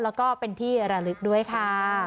แล้วก็เป็นที่ระลึกด้วยค่ะ